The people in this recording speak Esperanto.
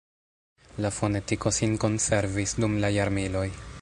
La fonetiko sin konservis dum la jarmiloj.